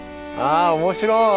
あ面白い！